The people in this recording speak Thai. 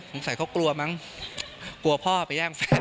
สงสัยเขากลัวมั้งกลัวพ่อไปแย่งแฟน